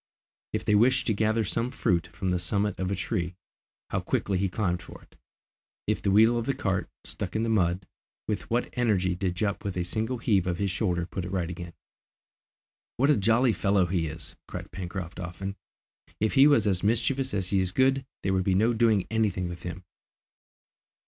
If they wished to gather some fruit from the summit of a tree, how quickly he climbed for it! If the wheel of the cart, stuck in the mud, with what energy did Jup with a single heave of his shoulder put it right again. "What a jolly fellow he is!" cried Pencroft often. "If he was as mischievous as he is good, there would be no doing any thing with him!"